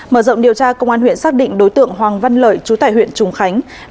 mở rộng điều tra công an huyện xác định đối tượng hoàng văn lợi chú tại huyện trùng khánh